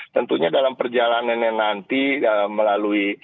tentunya dalam perjalanannya nanti melalui